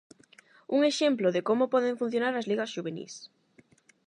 Un exemplo de como poden funcionar as ligas xuvenís.